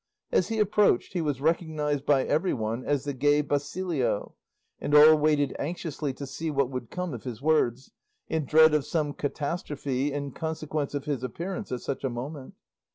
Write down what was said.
As he approached he was recognised by everyone as the gay Basilio, and all waited anxiously to see what would come of his words, in dread of some catastrophe in consequence of his appearance at such a moment.